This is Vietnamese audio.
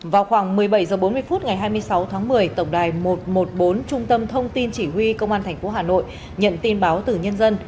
vào khoảng một mươi bảy h bốn mươi phút ngày hai mươi sáu tháng một mươi tổng đài một trăm một mươi bốn trung tâm thông tin chỉ huy công an tp hà nội nhận tin báo từ nhân dân